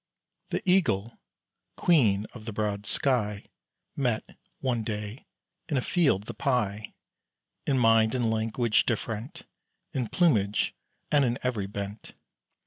The Eagle, queen of the broad sky, Met, one day, in a field, the Pie In mind and language different, In plumage, and in every bent.